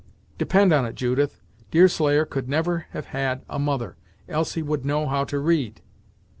Depend on it, Judith, Deerslayer could never have had a mother, else he would know how to read."